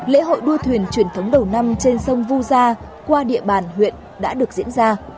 lễ hội đua thuyền truyền thống đầu năm trên sông vu gia qua địa bàn huyện đã được diễn ra